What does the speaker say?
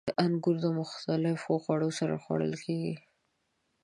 • انګور د مختلفو خوړو سره خوړل کېږي.